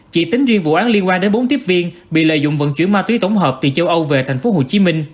chỉ tính riêng vụ án liên quan đến bốn tiếp viên bị lợi dụng vận chuyển ma túy tổng hợp từ châu âu về tp hcm